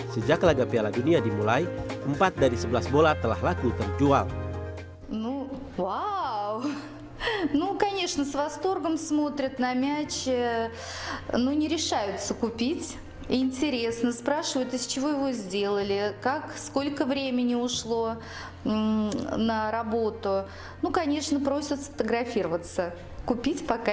sejak laga piala dunia dimulai empat dari sebelas bola telah laku terjual